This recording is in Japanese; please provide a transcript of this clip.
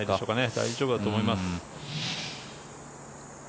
大丈夫だと思います。